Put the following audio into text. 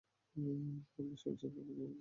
আপনার সৌজন্যতায় মুগ্ধ হলাম, স্যার।